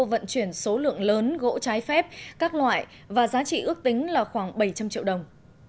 vận chuyển số lượng lớn gỗ trái phép các loại và giá trị ước tính là khoảng bảy trăm linh triệu đồng